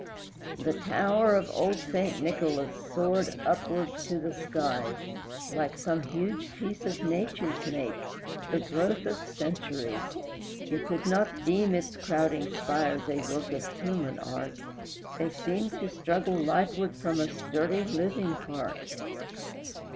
The tower of old Saint Nicholas soared upward to the skies, Like some huge piece of Nature's make, the growth of centuries; You could not deem its crowding spires a work of human art, They seemed to struggle lightward from a sturdy living heart.